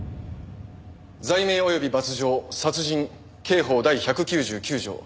罪名及び罰条殺人刑法第１９９条。